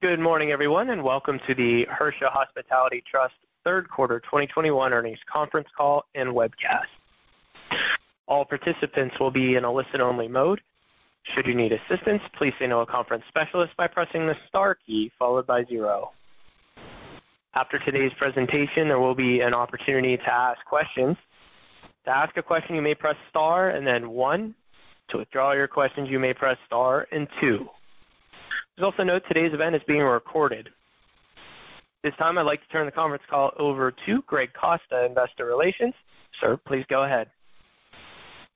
Good morning, everyone, and welcome to the Hersha Hospitality Trust Q3 2021 earnings conference call and webcast. All participants will be in a listen-only mode. Should you need assistance, please signal a conference specialist by pressing the star key followed by zero. After today's presentation, there will be an opportunity to ask questions. To ask a question, you may press star and then one. To withdraw your questions, you may press star and two. Please also note today's event is being recorded. This time, I'd like to turn the conference call over to Greg Costa, Investor Relations. Sir, please go ahead.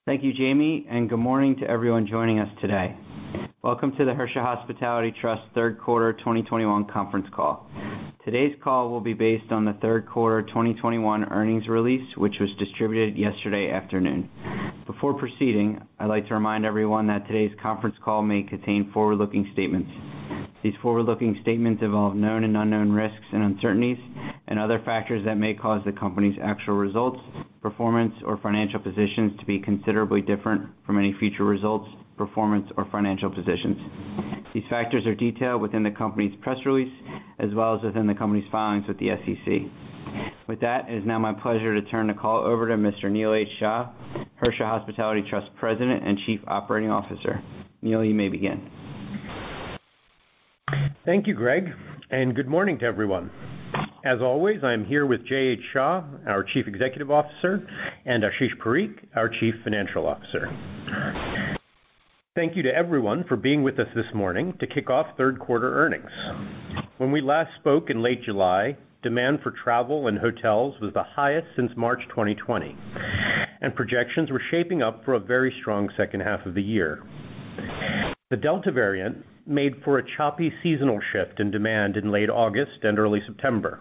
Thank you, Jamie, and good morning to everyone joining us today. Welcome to the Hersha Hospitality Trust Q3 2021 conference call. Today's call will be based on Q3 2021 earnings release, which was distributed yesterday afternoon. Before proceeding, I'd like to remind everyone that today's conference call may contain forward-looking statements. These forward-looking statements involve known and unknown risks and uncertainties and other factors that may cause the company's actual results, performance, or financial positions to be considerably different from any future results, performance, or financial positions. These factors are detailed within the company's press release as well as within the company's filings with the SEC. With that, it is now my pleasure to turn the call over to Mr. Neil H. Shah, Hersha Hospitality Trust President and Chief Operating Officer. Neil, you may begin. Thank you, Greg, and good morning to everyone. As always, I'm here with J.H. Shah, our Chief Executive Officer, and Ashish Parikh, our Chief Financial Officer. Thank you to everyone for being with us this morning to kick off Q3 earnings. When we last spoke in late July, demand for travel and hotels was the highest since March 2020, and projections were shaping up for a very strong second half of the year. The Delta variant made for a choppy seasonal shift in demand in late August and early September,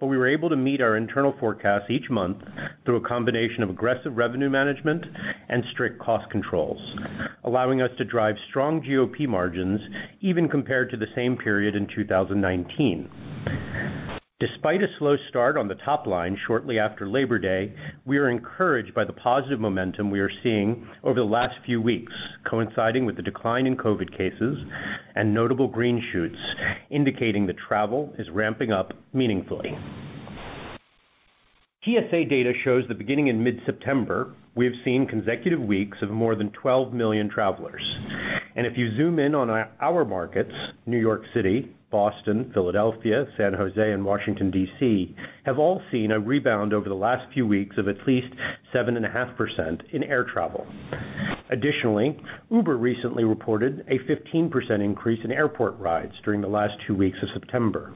but we were able to meet our internal forecasts each month through a combination of aggressive revenue management and strict cost controls, allowing us to drive strong GOP margins even compared to the same period in 2019. Despite a slow start on the top line shortly after Labor Day, we are encouraged by the positive momentum we are seeing over the last few weeks, coinciding with the decline in COVID cases and notable green shoots indicating the travel is ramping up meaningfully. TSA data shows that beginning in mid-September, we have seen consecutive weeks of more than 12 million travelers. If you zoom in on our markets, New York City, Boston, Philadelphia, San Jose, and Washington, D.C., have all seen a rebound over the last few weeks of at least 7.5% in air travel. Additionally, Uber recently reported a 15% increase in airport rides during the last two weeks of September,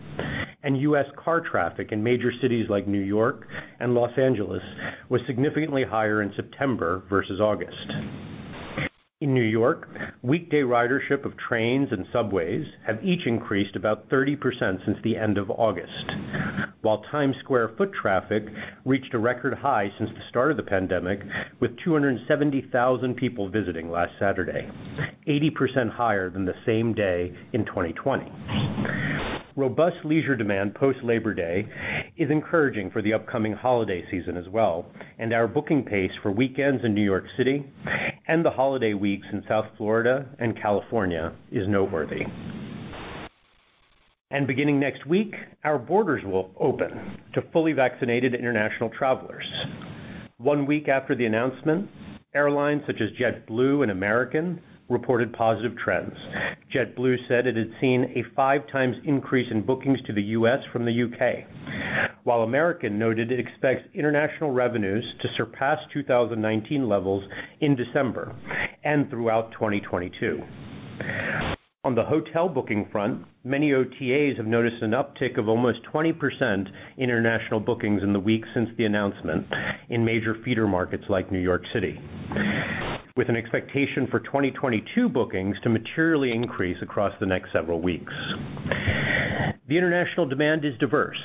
and U.S. car traffic in major cities like New York and Los Angeles was significantly higher in September versus August. In New York, weekday ridership of trains and subways have each increased about 30% since the end of August, while Times Square foot traffic reached a record high since the start of the pandemic, with 270,000 people visiting last Saturday, 80% higher than the same day in 2020. Robust leisure demand post Labor Day is encouraging for the upcoming holiday season as well, and our booking pace for weekends in New York City and the holiday weeks in South Florida and California is noteworthy. Beginning next week, our borders will open to fully vaccinated international travelers. One week after the announcement, airlines such as JetBlue and American reported positive trends. JetBlue said it had seen a 5 times increase in bookings to the U.S. from the U.K., while American noted it expects international revenues to surpass 2019 levels in December and throughout 2022. On the hotel booking front, many OTAs have noticed an uptick of almost 20% international bookings in the weeks since the announcement in major feeder markets like New York City, with an expectation for 2022 bookings to materially increase across the next several weeks. The international demand is diverse,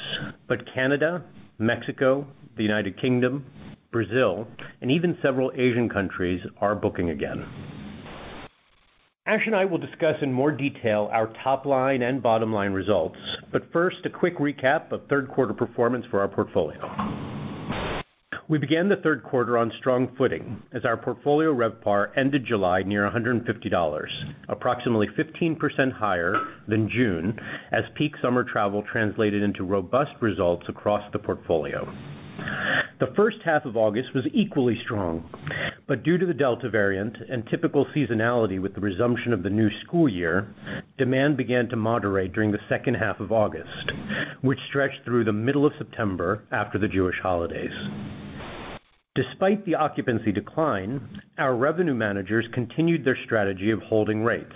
but Canada, Mexico, the United Kingdom, Brazil, and even several Asian countries are booking again. Ash and I will discuss in more detail our top line and bottom line results, but first, a quick recap of third quarter performance for our portfolio. We began Q3 on strong footing as our portfolio RevPAR ended July near $150, approximately 15% higher than June as peak summer travel translated into robust results across the portfolio. The first half of August was equally strong, but due to the Delta variant and typical seasonality with the resumption of the new school year, demand began to moderate during the second half of August, which stretched through the middle of September after the Jewish holidays. Despite the occupancy decline, our revenue managers continued their strategy of holding rates,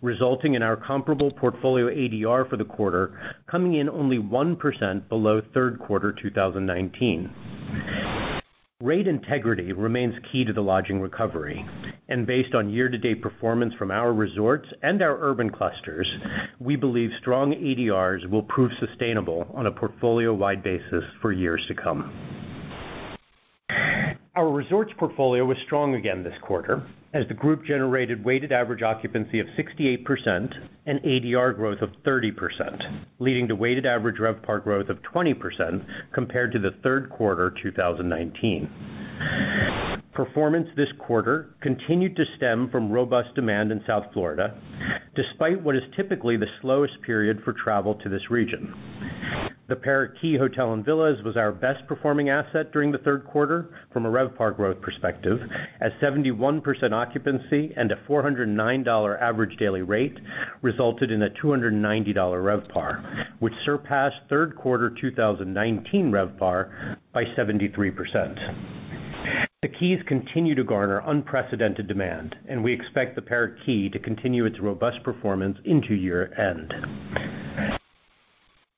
resulting in our comparable portfolio ADR for the quarter coming in only 1% below Q3 2019. Rate integrity remains key to the lodging recovery, and based on year-to-date performance from our resorts and our urban clusters, we believe strong ADRs will prove sustainable on a portfolio-wide basis for years to come. Our resorts portfolio was strong again this quarter as the group generated weighted average occupancy of 68% and ADR growth of 30%, leading to weighted average RevPAR growth of 20% compared to Q3 2019. Performance this quarter continued to stem from robust demand in South Florida, despite what is typically the slowest period for travel to this region. The Parrot Key Hotel & Villas was our best performing asset during Q3 from a RevPAR growth perspective, as 71% occupancy and a $409 average daily rate resulted in a $290 RevPAR, which surpassed Q3 2019 RevPAR by 73%. The Keys continue to garner unprecedented demand, and we expect the Parrot Key to continue its robust performance into year-end.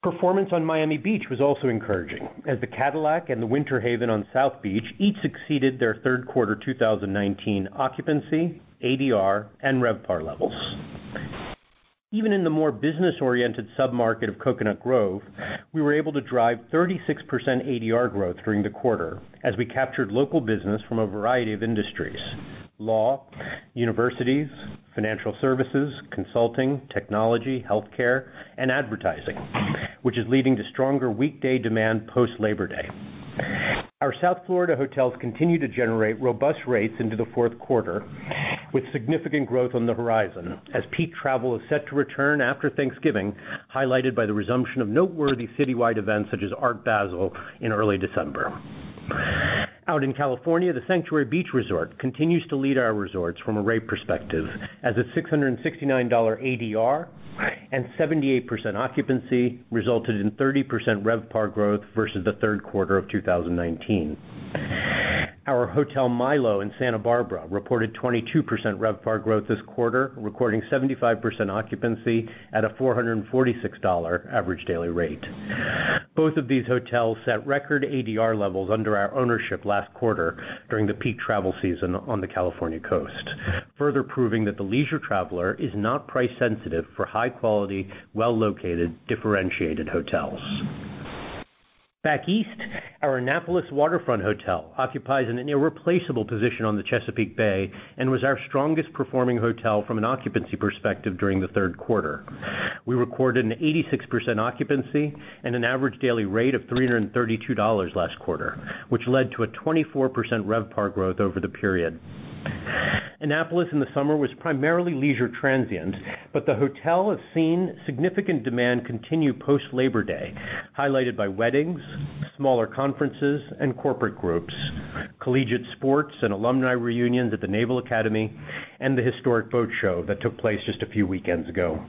Performance on Miami Beach was also encouraging as The Cadillac Hotel & Beach Club and The Winterhaven on South Beach each exceeded their third quarter 2019 occupancy, ADR, and RevPAR levels. Even in the more business-oriented submarket of Coconut Grove, we were able to drive 36% ADR growth during the quarter as we captured local business from a variety of industries, law, universities, financial services, consulting, technology, health care, and advertising, which is leading to stronger weekday demand post-Labor Day. Our South Florida hotels continue to generate robust rates into the fourth quarter, with significant growth on the horizon as peak travel is set to return after Thanksgiving, highlighted by the resumption of noteworthy citywide events such as Art Basel in early December. Out in California, The Sanctuary Beach Resort continues to lead our resorts from a rate perspective as its $669 ADR and 78% occupancy resulted in 30% RevPAR growth versus Q3 of 2019. Our Hotel Milo in Santa Barbara reported 22% RevPAR growth this quarter, recording 75% occupancy at a $446 average daily rate. Both of these hotels set record ADR levels under our ownership last quarter during the peak travel season on the California coast, further proving that the leisure traveler is not price sensitive for high quality, well-located, differentiated hotels. Back east, our Annapolis Waterfront Hotel occupies an irreplaceable position on the Chesapeake Bay and was our strongest performing hotel from an occupancy perspective during Q3. We recorded an 86% occupancy and an average daily rate of $332 last quarter, which led to a 24% RevPAR growth over the period. Annapolis in the summer was primarily leisure transient, but the hotel has seen significant demand continue post-Labor Day, highlighted by weddings, smaller conferences, and corporate groups, collegiate sports and alumni reunions at the Naval Academy, and the historic boat show that took place just a few weekends ago.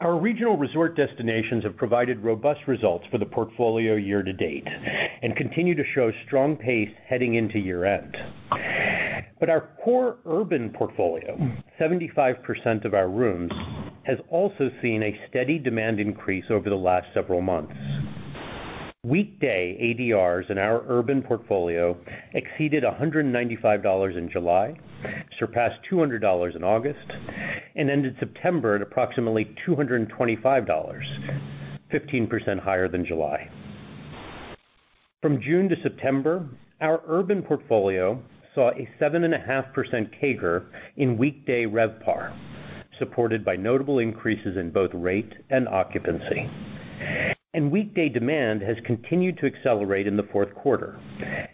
Our regional resort destinations have provided robust results for the portfolio year to date and continue to show strong pace heading into year-end. Our core urban portfolio, 75% of our rooms, has also seen a steady demand increase over the last several months. Weekday ADRs in our urban portfolio exceeded $195 in July, surpassed $200 in August, and ended September at approximately $225, 15% higher than July. From June to September, our urban portfolio saw a 7.5% CAGR in weekday RevPAR, supported by notable increases in both rate and occupancy. Weekday demand has continued to accelerate in Q4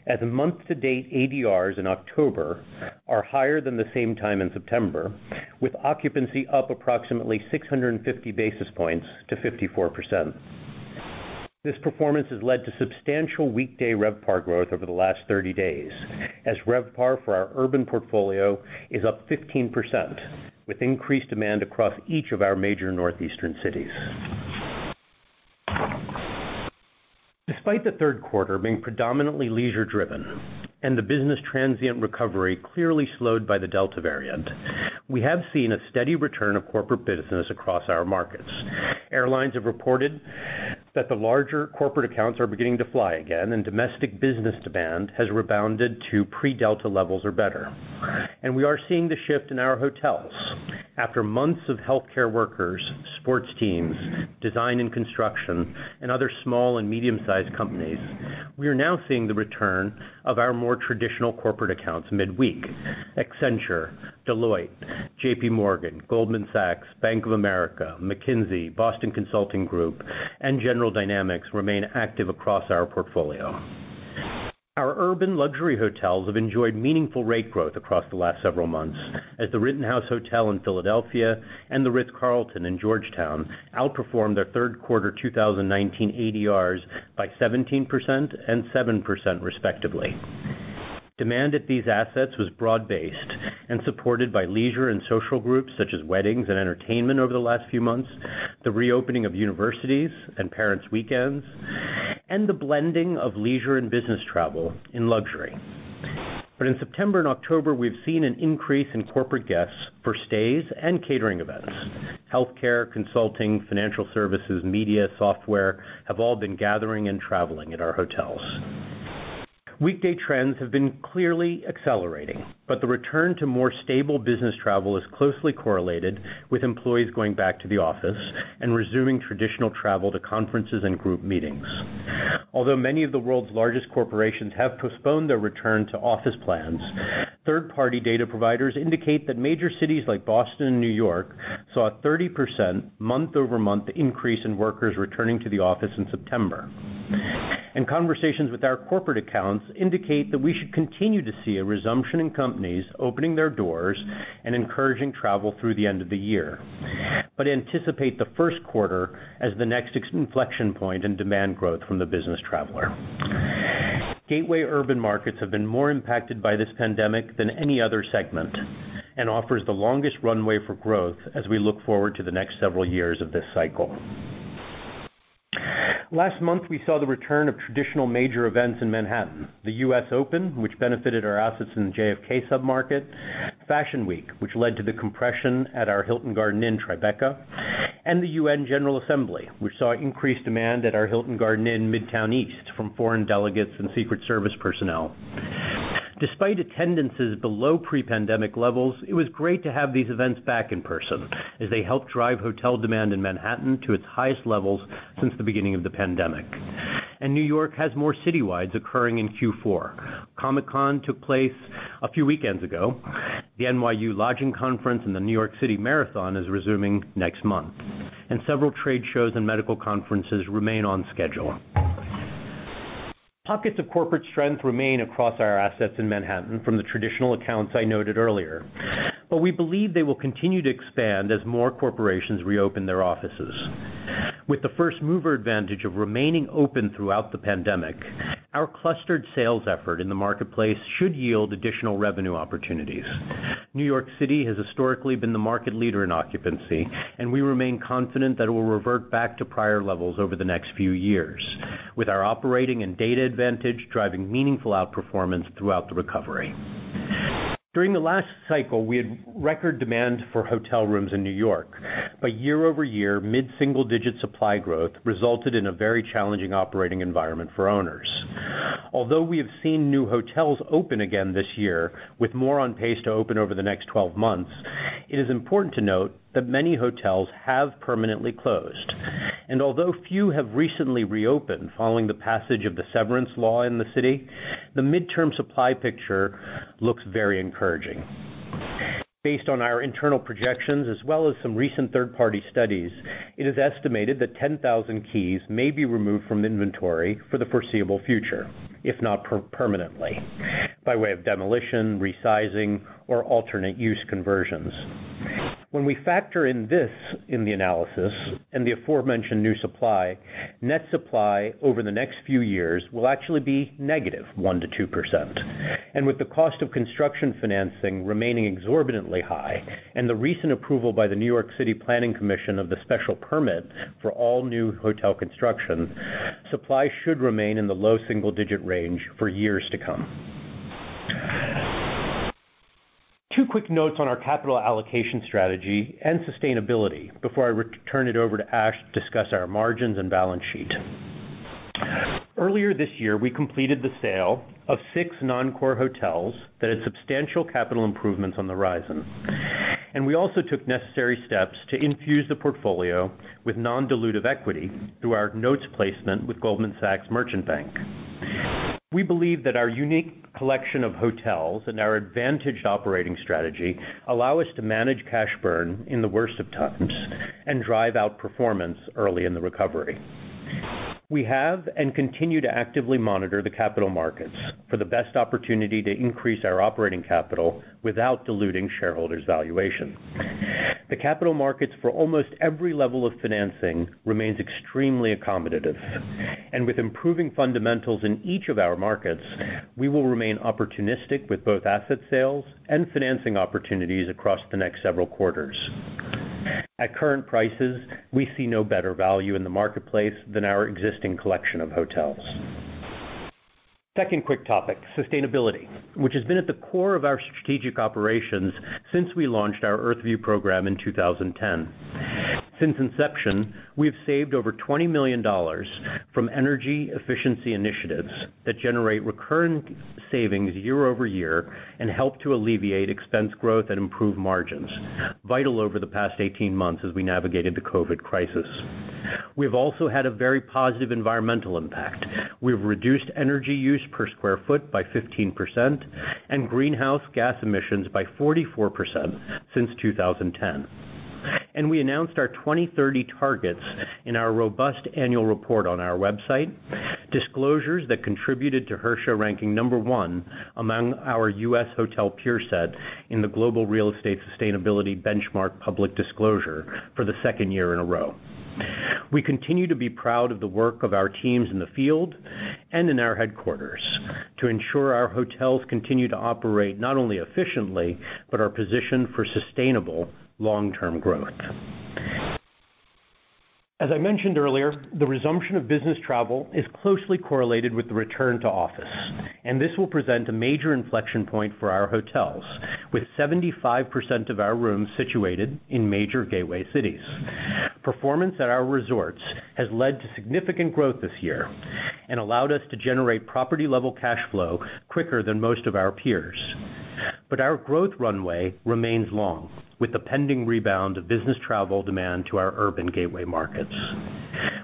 as month-to-date ADRs in October are higher than the same time in September, with occupancy up approximately 650 basis points to 54%. This performance has led to substantial weekday RevPAR growth over the last 30 days as RevPAR for our urban portfolio is up 15% with increased demand across each of our major northeastern cities. Despite the third quarter being predominantly leisure driven and the business transient recovery clearly slowed by the Delta variant, we have seen a steady return of corporate business across our markets. Airlines have reported that the larger corporate accounts are beginning to fly again, and domestic business demand has rebounded to pre-Delta levels or better. We are seeing the shift in our hotels. After months of healthcare workers, sports teams, design and construction, and other small and medium-sized companies, we are now seeing the return of our more traditional corporate accounts midweek. Accenture, Deloitte, JPMorgan, Goldman Sachs, Bank of America, McKinsey & Company, Boston Consulting Group, and General Dynamics remain active across our portfolio. Our urban luxury hotels have enjoyed meaningful rate growth across the last several months as The Rittenhouse Hotel in Philadelphia and The Ritz-Carlton, Georgetown outperformed their Q3 2019 ADRs by 17% and 7% respectively. Demand at these assets was broad-based and supported by leisure and social groups such as weddings and entertainment over the last few months, the reopening of universities and parents weekends, and the blending of leisure and business travel in luxury. In September and October, we've seen an increase in corporate guests for stays and catering events. Healthcare, consulting, financial services, media, software have all been gathering and traveling at our hotels. Weekday trends have been clearly accelerating, but the return to more stable business travel is closely correlated with employees going back to the office and resuming traditional travel to conferences and group meetings. Although many of the world's largest corporations have postponed their return to office plans, third-party data providers indicate that major cities like Boston and New York saw a 30% month-over-month increase in workers returning to the office in September. Conversations with our corporate accounts indicate that we should continue to see a resumption in companies opening their doors and encouraging travel through the end of the year. We anticipate the first quarter as the next inflection point in demand growth from the business traveler. Gateway urban markets have been more impacted by this pandemic than any other segment, and offer the longest runway for growth as we look forward to the next several years of this cycle. Last month, we saw the return of traditional major events in Manhattan, the U.S. Open, which benefited our assets in the JFK sub-market, Fashion Week, which led to the compression at our Hilton Garden Inn Tribeca, and the UN General Assembly, which saw increased demand at our Hilton Garden Inn Midtown East from foreign delegates and Secret Service personnel. Despite attendances below pre-pandemic levels, it was great to have these events back in person as they helped drive hotel demand in Manhattan to its highest levels since the beginning of the pandemic. New York has more citywides occurring in Q4. New York Comic Con took place a few weekends ago. The NYU International Hospitality Industry Investment Conference and the New York City Marathon is resuming next month, and several trade shows and medical conferences remain on schedule. Pockets of corporate strength remain across our assets in Manhattan from the traditional accounts I noted earlier, but we believe they will continue to expand as more corporations reopen their offices. With the first mover advantage of remaining open throughout the pandemic, our clustered sales effort in the marketplace should yield additional revenue opportunities. New York City has historically been the market leader in occupancy, and we remain confident that it will revert back to prior levels over the next few years, with our operating and data advantage driving meaningful outperformance throughout the recovery. During the last cycle, we had record demand for hotel rooms in New York, but year-over-year mid-single digit supply growth resulted in a very challenging operating environment for owners. Although we have seen new hotels open again this year, with more on pace to open over the next 12 months, it is important to note that many hotels have permanently closed. Although few have recently reopened following the passage of the severance law in the city, the midterm supply picture looks very encouraging. Based on our internal projections as well as some recent third-party studies, it is estimated that 10,000 keys may be removed from inventory for the foreseeable future, if not permanently, by way of demolition, resizing, or alternate use conversions. When we factor this in the analysis and the aforementioned new supply, net supply over the next few years will actually be negative 1%-2%. With the cost of construction financing remaining exorbitantly high and the recent approval by the New York City Planning Commission of the special permit for all new hotel construction, supply should remain in the low single digit range for years to come. Two quick notes on our capital allocation strategy and sustainability before I turn it over to Ash to discuss our margins and balance sheet. Earlier this year, we completed the sale of six non-core hotels that had substantial capital improvements on the horizon, and we also took necessary steps to infuse the portfolio with non-dilutive equity through our notes placement with Goldman Sachs Merchant Banking Division. We believe that our unique collection of hotels and our advantaged operating strategy allow us to manage cash burn in the worst of times and drive out performance early in the recovery. We have and continue to actively monitor the capital markets for the best opportunity to increase our operating capital without diluting shareholders' valuation. The capital markets for almost every level of financing remains extremely accommodative, and with improving fundamentals in each of our markets, we will remain opportunistic with both asset sales and financing opportunities across the next several quarters. At current prices, we see no better value in the marketplace than our existing collection of hotels. Second quick topic, sustainability, which has been at the core of our strategic operations since we launched our EarthView program in 2010. Since inception, we have saved over $20 million from energy efficiency initiatives that generate recurring savings year over year and help to alleviate expense growth and improve margins, vital over the past 18 months as we navigated the COVID crisis. We've also had a very positive environmental impact. We've reduced energy use per square foot by 15% and greenhouse gas emissions by 44% since 2010. We announced our 2030 targets in our robust annual report on our website, disclosures that contributed to Hersha ranking number one among our U.S. hotel peer set in the Global Real Estate Sustainability Benchmark public disclosure for the second year in a row. We continue to be proud of the work of our teams in the field and in our headquarters to ensure our hotels continue to operate not only efficiently, but are positioned for sustainable long-term growth. As I mentioned earlier, the resumption of business travel is closely correlated with the return to office, and this will present a major inflection point for our hotels with 75% of our rooms situated in major gateway cities. Performance at our resorts has led to significant growth this year and allowed us to generate property level cash flow quicker than most of our peers. Our growth runway remains long with the pending rebound of business travel demand to our urban gateway markets.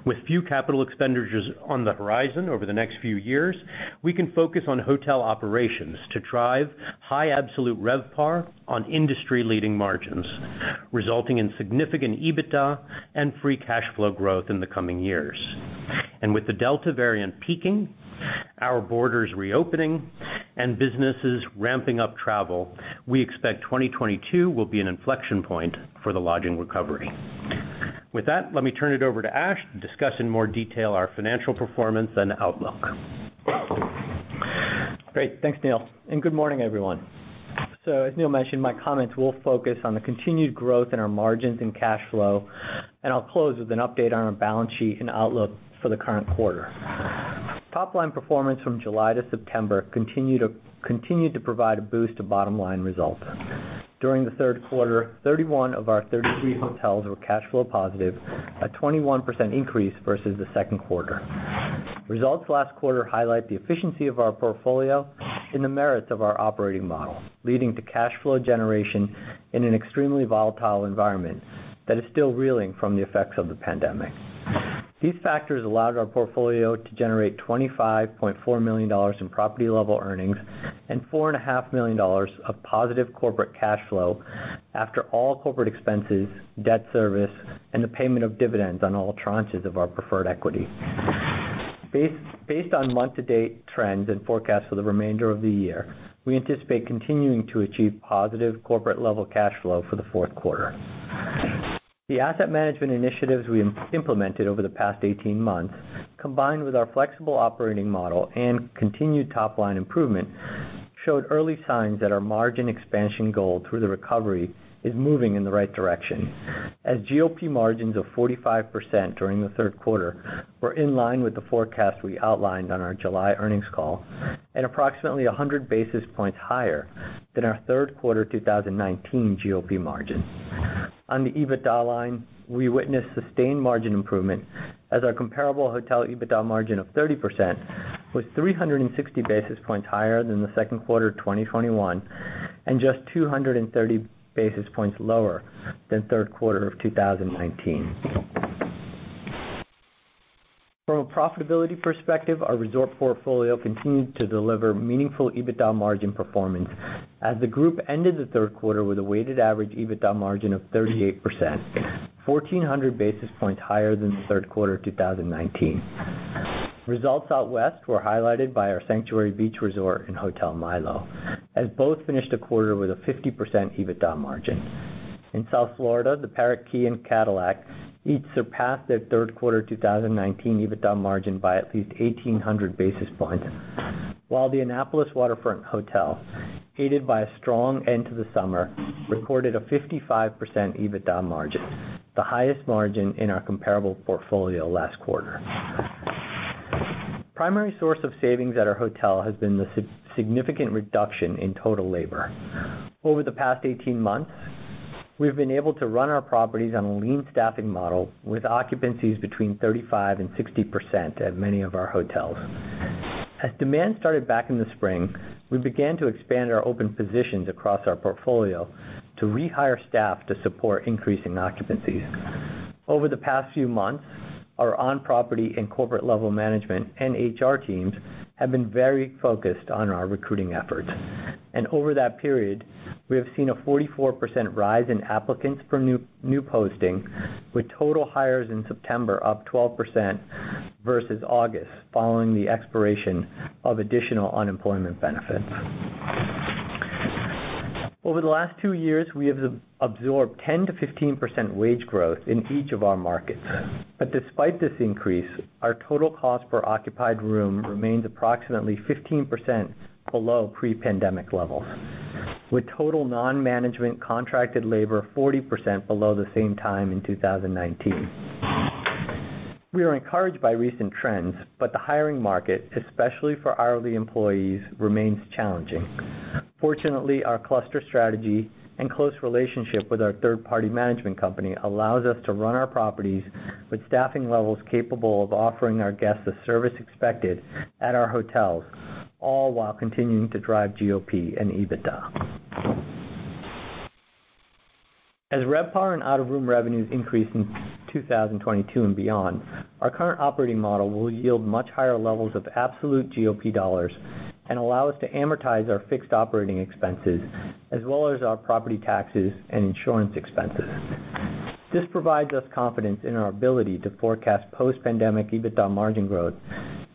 With few capital expenditures on the horizon over the next few years, we can focus on hotel operations to drive high absolute RevPAR on industry-leading margins, resulting in significant EBITDA and free cash flow growth in the coming years. With the Delta variant peaking, our borders reopening, and businesses ramping up travel, we expect 2022 will be an inflection point for the lodging recovery. With that, let me turn it over to Ash to discuss in more detail our financial performance and outlook. Great. Thanks, Neil. Good morning, everyone. As Neil mentioned, my comments will focus on the continued growth in our margins and cash flow, and I'll close with an update on our balance sheet and outlook for the current quarter. Top-line performance from July to September continue to provide a boost to bottom-line results. During Q3, 31 of our 33 hotels were cash flow positive, a 21% increase versus the second quarter. Results last quarter highlight the efficiency of our portfolio and the merits of our operating model, leading to cash flow generation in an extremely volatile environment that is still reeling from the effects of the pandemic. These factors allowed our portfolio to generate $25.4 million in property-level earnings and $4.5 million of positive corporate cash flow after all corporate expenses, debt service, and the payment of dividends on all tranches of our preferred equity. Based on month-to-date trends and forecasts for the remainder of the year, we anticipate continuing to achieve positive corporate level cash flow for the fourth quarter. The asset management initiatives we implemented over the past 18 months, combined with our flexible operating model and continued top-line improvement, showed early signs that our margin expansion goal through the recovery is moving in the right direction, as GOP margins of 45% during Q3 were in line with the forecast we outlined on our July earnings call, and approximately 100 basis points higher than our Q3 2019 GOP margin. On the EBITDA line, we witnessed sustained margin improvement as our comparable hotel EBITDA margin of 30% was 360 basis points higher than Q2 of 2021, and just 230 basis points lower than third quarter of 2019. From a profitability perspective, our resort portfolio continued to deliver meaningful EBITDA margin performance as the group ended the third quarter with a weighted average EBITDA margin of 38%, 1,400 basis points higher than Q3 of 2019. Results out West were highlighted by our Sanctuary Beach Resort and Hotel Milo, as both finished the quarter with a 50% EBITDA margin. In South Florida, the Parrot Key Hotel & Villas and Cadillac Hotel & Beach Club each surpassed their Q3 2019 EBITDA margin by at least 1,800 basis points, while the Annapolis Waterfront Hotel, aided by a strong end to the summer, recorded a 55% EBITDA margin, the highest margin in our comparable portfolio last quarter. Primary source of savings at our hotel has been the significant reduction in total labor. Over the past 18 months, we have been able to run our properties on a lean staffing model with occupancies between 35% and 60% at many of our hotels. As demand started back in the spring, we began to expand our open positions across our portfolio to rehire staff to support increasing occupancies. Over the past few months, our on-property and corporate level management and HR teams have been very focused on our recruiting efforts. Over that period, we have seen a 44% rise in applicants per new posting, with total hires in September up 12% versus August following the expiration of additional unemployment benefits. Over the last two years, we have absorbed 10%-15% wage growth in each of our markets. Despite this increase, our total cost per occupied room remains approximately 15% below pre-pandemic levels, with total non-management contracted labor 40% below the same time in 2019. We are encouraged by recent trends, but the hiring market, especially for hourly employees, remains challenging. Fortunately, our cluster strategy and close relationship with our third-party management company allows us to run our properties with staffing levels capable of offering our guests the service expected at our hotels, all while continuing to drive GOP and EBITDA. As RevPAR and out-of-room revenues increase in 2022 and beyond, our current operating model will yield much higher levels of absolute GOP dollars and allow us to amortize our fixed operating expenses as well as our property taxes and insurance expenses. This provides us confidence in our ability to forecast post-pandemic EBITDA margin growth,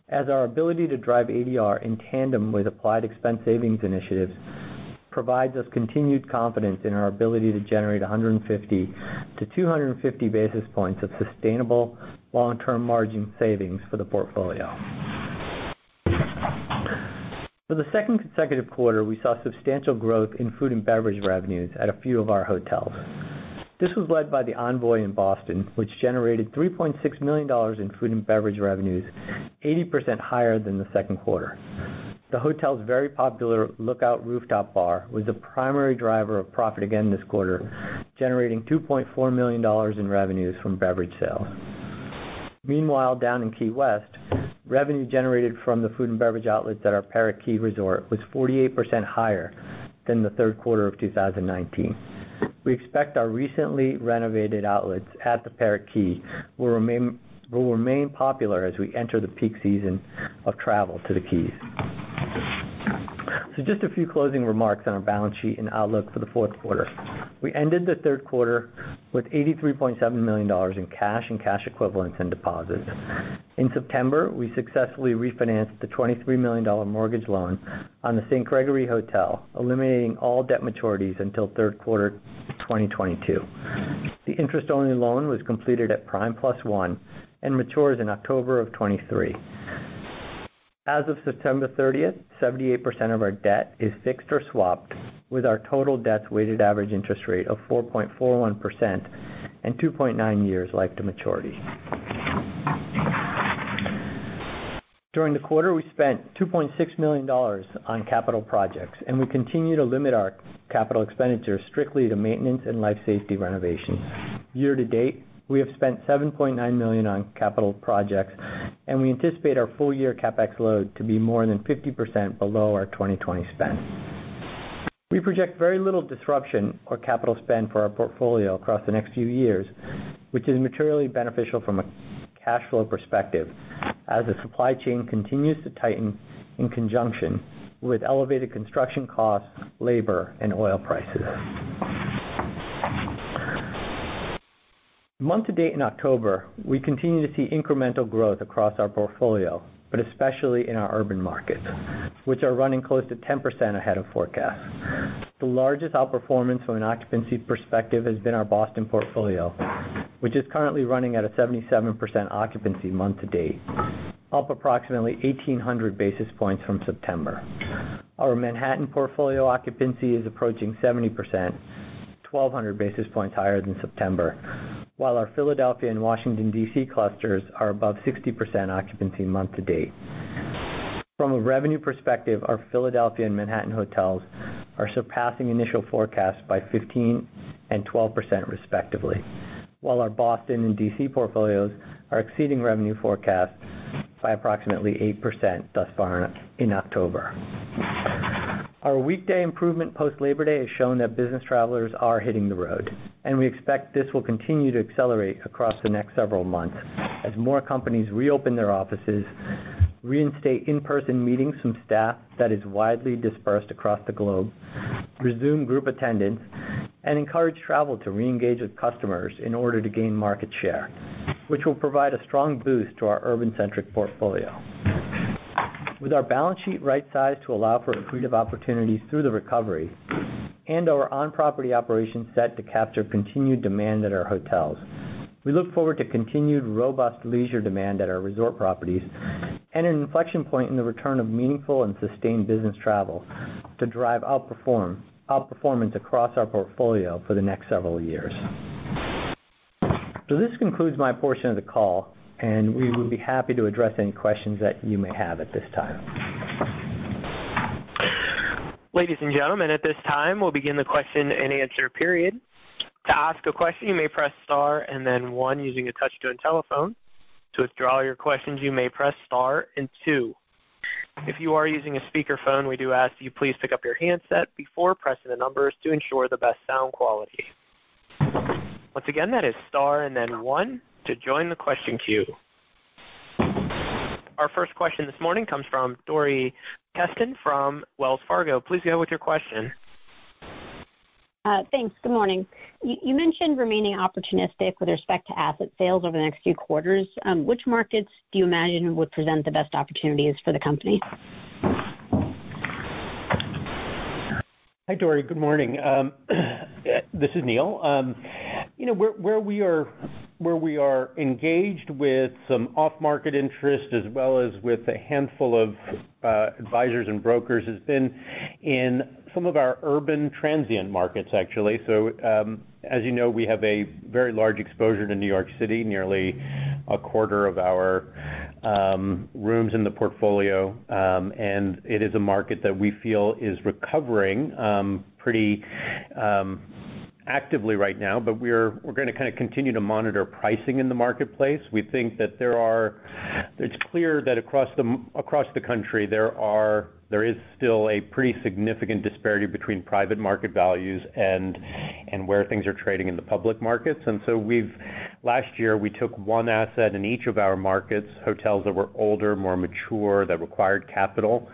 as our ability to drive ADR in tandem with applied expense savings initiatives provides us continued confidence in our ability to generate 150-250 basis points of sustainable long-term margin savings for the portfolio. For the second consecutive quarter, we saw substantial growth in food and beverage revenues at a few of our hotels. This was led by the Envoy in Boston, which generated $3.6 million in food and beverage revenues, 80% higher than the second quarter. The hotel's very popular Lookout Rooftop and Bar was the primary driver of profit again this quarter, generating $2.4 million in revenues from beverage sales. Meanwhile, down in Key West, revenue generated from the food and beverage outlets at our Parrot Key Hotel & Villas was 48% higher than Q3 of 2019. We expect our recently renovated outlets at the Parrot Key Hotel & Villas will remain popular as we enter the peak season of travel to the Keys. Just a few closing remarks on our balance sheet and outlook for Q4. We ended Q3 with $83.7 million in cash and cash equivalents and deposits. In September, we successfully refinanced the $23 million mortgage loan on The St. Gregory Hotel, eliminating all debt maturities until Q3 2022. The interest-only loan was completed at prime plus one and matures in October 2023. As of September 30, 78% of our debt is fixed or swapped with our total debt's weighted average interest rate of 4.41% and 2.9 years life to maturity. During the quarter, we spent $2.6 million on capital projects, and we continue to limit our capital expenditures strictly to maintenance and life safety renovations. Year to date, we have spent $7.9 million on capital projects, and we anticipate our full year CapEx load to be more than 50% below our 2020 spend. We project very little disruption or capital spend for our portfolio across the next few years, which is materially beneficial from a cash flow perspective as the supply chain continues to tighten in conjunction with elevated construction costs, labor, and oil prices. Month to date in October, we continue to see incremental growth across our portfolio, but especially in our urban markets, which are running close to 10% ahead of forecast. The largest outperformance from an occupancy perspective has been our Boston portfolio, which is currently running at a 77% occupancy month to date, up approximately 1,800 basis points from September. Our Manhattan portfolio occupancy is approaching 70%, 1,200 basis points higher than September, while our Philadelphia and Washington, D.C., clusters are above 60% occupancy month to date. From a revenue perspective, our Philadelphia and Manhattan hotels are surpassing initial forecasts by 15% and 12%, respectively, while our Boston and D.C. portfolios are exceeding revenue forecasts by approximately 8% thus far in October. Our weekday improvement post Labor Day has shown that business travelers are hitting the road, and we expect this will continue to accelerate across the next several months as more companies reopen their offices, reinstate in-person meetings from staff that is widely dispersed across the globe, resume group attendance, and encourage travel to reengage with customers in order to gain market share, which will provide a strong boost to our urban-centric portfolio. With our balance sheet right sized to allow for accretive opportunities through the recovery and our on-property operations set to capture continued demand at our hotels, we look forward to continued robust leisure demand at our resort properties and an inflection point in the return of meaningful and sustained business travel to drive outperform, outperformance across our portfolio for the next several years. This concludes my portion of the call, and we would be happy to address any questions that you may have at this time. Ladies and gentlemen, at this time, we'll begin the question-and-answer period. To ask a question, you may press star and then one using a touch-tone telephone. To withdraw your questions, you may press star and two. If you are using a speakerphone, we do ask you please pick up your handset before pressing the numbers to ensure the best sound quality. Once again, that is star and then one to join the question queue. Our first question this morning comes from Dori Kesten from Wells Fargo. Please go with your question. Thanks. Good morning. You mentioned remaining opportunistic with respect to asset sales over the next few quarters. Which markets do you imagine would present the best opportunities for the company? Hi, Dori. Good morning. This is Neil. You know where we are engaged with some off-market interest as well as with a handful of advisors and brokers has been in some of our urban transient markets, actually. As you know, we have a very large exposure to New York City, nearly a quarter of our rooms in the portfolio, and it is a market that we feel is recovering pretty actively right now. We're gonna kind of continue to monitor pricing in the marketplace. We think that there are. It's clear that across the country, there is still a pretty significant disparity between private market values and where things are trading in the public markets. Last year, we took one asset in each of our markets, hotels that were older, more mature, that required capital,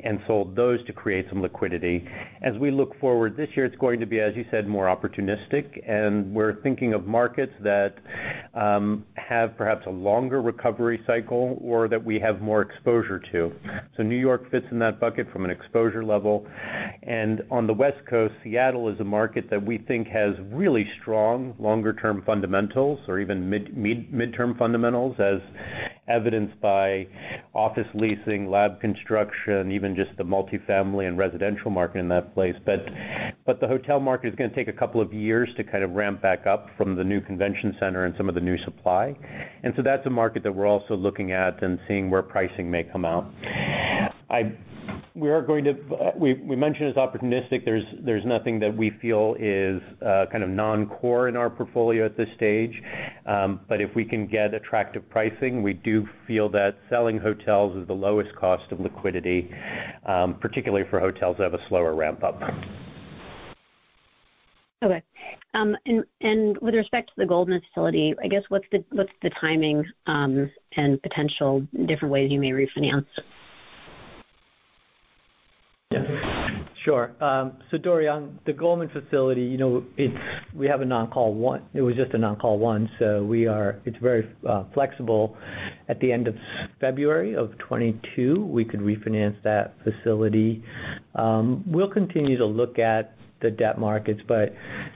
and sold those to create some liquidity. As we look forward, this year it's going to be, as you said, more opportunistic, and we're thinking of markets that have perhaps a longer recovery cycle or that we have more exposure to. New York fits in that bucket from an exposure level. On the West Coast, Seattle is a market that we think has really strong longer-term fundamentals or even mid-term fundamentals as evidenced by office leasing, lab construction, even just the multifamily and residential market in that place. But the hotel market is gonna take a couple of years to kind of ramp back up from the new convention center and some of the new supply. That's a market that we're also looking at and seeing where pricing may come out. We mentioned it's opportunistic. There's nothing that we feel is kind of non-core in our portfolio at this stage. If we can get attractive pricing, we do feel that selling hotels is the lowest cost of liquidity, particularly for hotels that have a slower ramp up. With respect to the Goldman facility, I guess what's the timing and potential different ways you may refinance? Yeah, sure. Dori, on the Goldman facility, you know, we have a non-call one. It's very flexible. At the end of February 2022, we could refinance that facility. We'll continue to look at the debt markets, but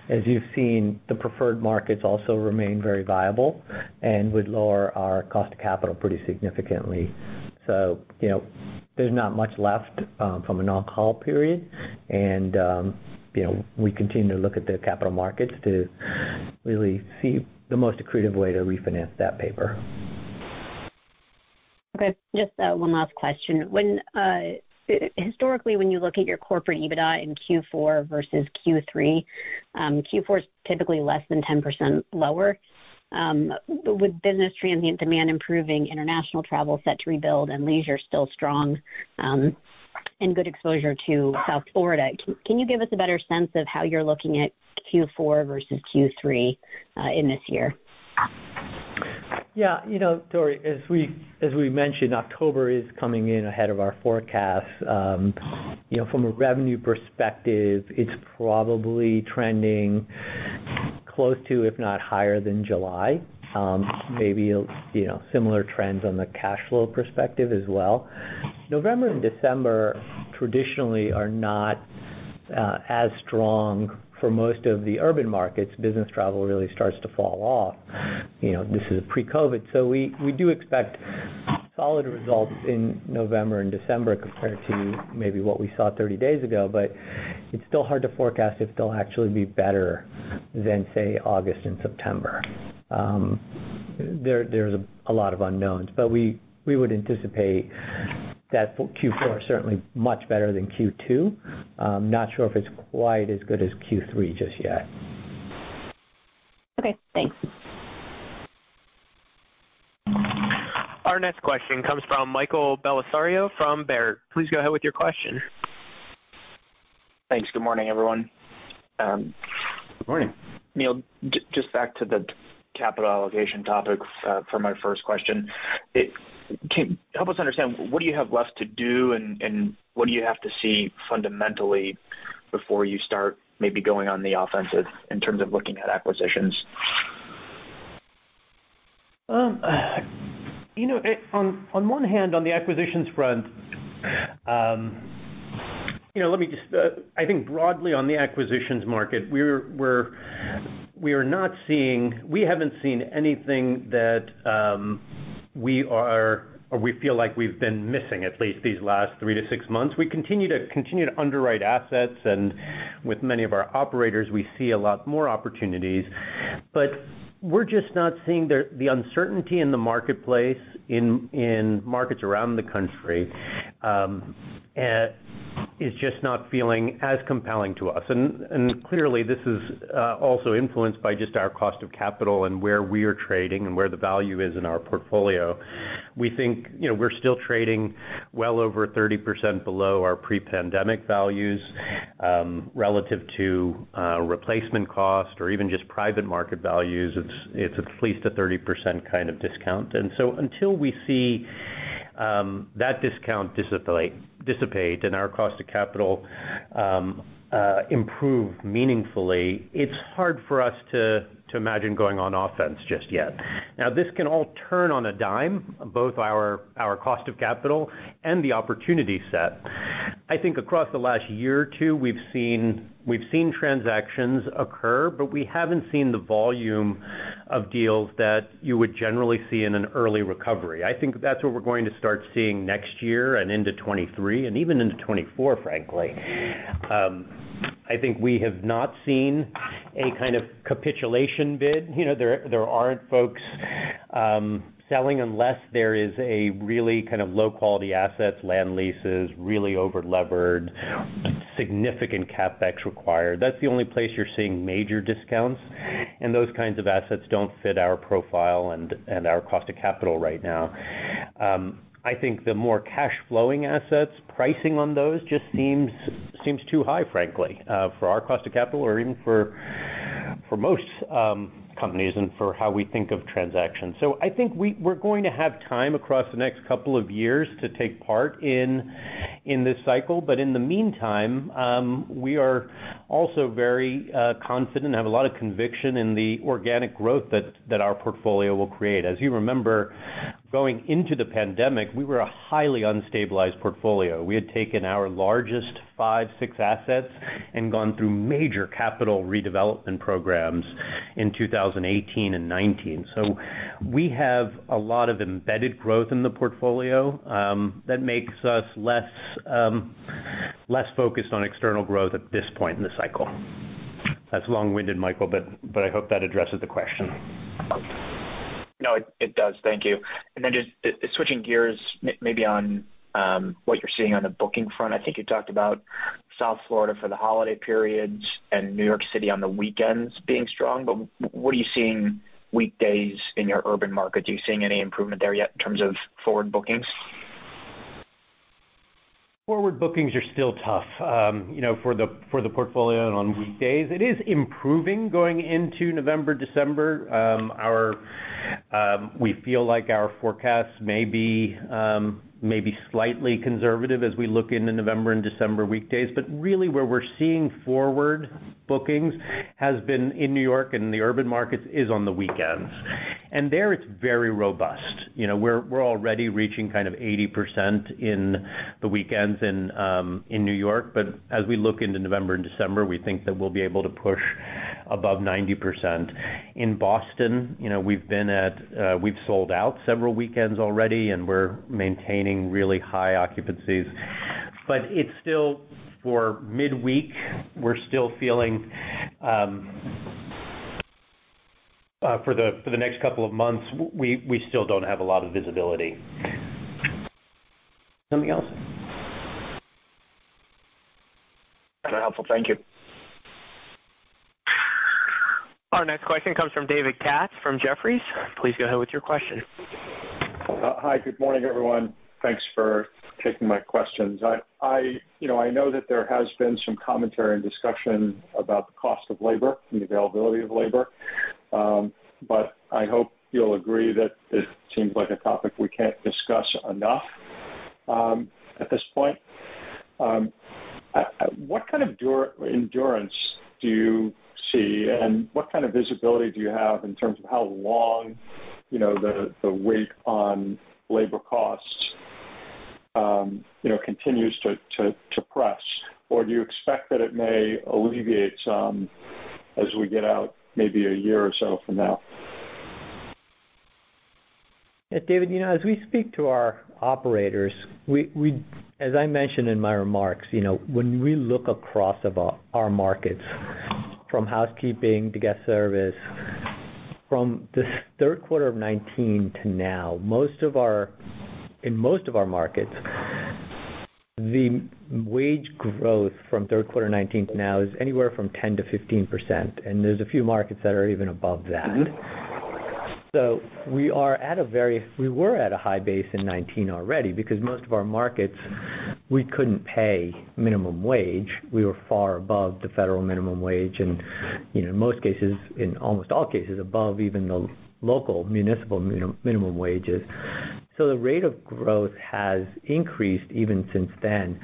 as you've seen, the preferred markets also remain very viable and would lower our cost of capital pretty significantly. You know, there's not much left from a non-call period, and you know, we continue to look at the capital markets to really see the most accretive way to refinance that paper. Okay. Just one last question. Historically, when you look at your corporate EBITDA in Q4 versus Q3, Q4 is typically less than 10% lower. With business transient demand improving, international travel set to rebuild, and leisure still strong, and good exposure to South Florida, can you give us a better sense of how you're looking at Q4 versus Q3 in this year? Yeah. You know, Dori, as we mentioned, October is coming in ahead of our forecast. You know, from a revenue perspective, it's probably trending close to, if not higher than July. You know, similar trends on the cash flow perspective as well. November and December traditionally are not as strong for most of the urban markets. Business travel really starts to fall off. You know, this is pre-COVID. We do expect solid results in November and December compared to maybe what we saw 30 days ago, but it's still hard to forecast if they'll actually be better than, say, August and September. There's a lot of unknowns. We would anticipate that Q4 is certainly much better than Q2. Not sure if it's quite as good as Q3 just yet. Okay, thanks. Our next question comes from Michael Bellisario from Baird. Please go ahead with your question. Thanks. Good morning, everyone. Good morning. Neil, just back to the capital allocation topic, for my first question. Help us understand, what do you have left to do and what do you have to see fundamentally before you start maybe going on the offensive in terms of looking at acquisitions? You know, on one hand, on the acquisitions front, you know, let me just. I think broadly on the acquisitions market, we haven't seen anything that we are or we feel like we've been missing, at least these last 3-6 months. We continue to underwrite assets, and with many of our operators, we see a lot more opportunities. But we're just not seeing the uncertainty in the marketplace in markets around the country is just not feeling as compelling to us. Clearly, this is also influenced by just our cost of capital and where we are trading and where the value is in our portfolio. We think, you know, we're still trading well over 30% below our pre-pandemic values, relative to replacement cost or even just private market values. It's at least a 30% kind of discount. Until we see that discount dissipate and our cost of capital improve meaningfully, it's hard for us to imagine going on offense just yet. Now, this can all turn on a dime, both our cost of capital and the opportunity set. I think across the last year or two, we've seen transactions occur, but we haven't seen the volume of deals that you would generally see in an early recovery. I think that's what we're going to start seeing next year and into 2023 and even into 2024, frankly. I think we have not seen any kind of capitulation bid. You know, there aren't folks selling unless there is a really kind of low-quality assets, land leases, really over-levered, significant CapEx required. That's the only place you're seeing major discounts, and those kinds of assets don't fit our profile and our cost of capital right now. I think the more cash flowing assets, pricing on those just seems too high, frankly, for our cost of capital or even for most companies and for how we think of transactions. I think we're going to have time across the next couple of years to take part in this cycle. In the meantime, we are also very confident and have a lot of conviction in the organic growth that our portfolio will create. As you remember, going into the pandemic, we were a highly unstabilized portfolio. We had taken our largest five, six assets and gone through major capital redevelopment programs in 2018 and 2019. We have a lot of embedded growth in the portfolio that makes us less focused on external growth at this point in the cycle. That's long-winded, Michael, but I hope that addresses the question. No, it does. Thank you. Then just switching gears maybe on what you're seeing on the booking front. I think you talked about South Florida for the holiday periods and New York City on the weekends being strong, but what are you seeing weekdays in your urban markets? Are you seeing any improvement there yet in terms of forward bookings? Forward bookings are still tough, you know, for the portfolio and on weekdays. It is improving going into November, December. We feel like our forecast may be slightly conservative as we look into November and December weekdays. But really, where we're seeing forward bookings has been in New York and the urban markets is on the weekends. There, it's very robust. You know, we're already reaching kind of 80% in the weekends in New York. But as we look into November and December, we think that we'll be able to push Above 90%. In Boston, we've sold out several weekends already, and we're maintaining really high occupancies. It's still for midweek. We're still feeling for the next couple of months. We still don't have a lot of visibility. Something else? That was helpful. Thank you. Our next question comes from David Katz from Jefferies. Please go ahead with your question. Hi, good morning, everyone. Thanks for taking my questions. You know, I know that there has been some commentary and discussion about the cost of labor and the availability of labor. I hope you'll agree that it seems like a topic we can't discuss enough at this point. What kind of duration do you see, and what kind of visibility do you have in terms of how long, you know, the weight on labor costs continues to press? Or do you expect that it may alleviate some as we get out maybe a year or so from now? Yeah, David, you know, as we speak to our operators, as I mentioned in my remarks, you know, when we look across our markets from housekeeping to guest service, from Q3 of 2019 to now, in most of our markets, the wage growth from Q3 2019 to now is anywhere from 10%-15%, and there's a few markets that are even above that. Mm-hmm. We were at a high base in 2019 already because most of our markets, we couldn't pay minimum wage. We were far above the federal minimum wage and, you know, in most cases, in almost all cases, above even the local municipal minimum wages. The rate of growth has increased even since then.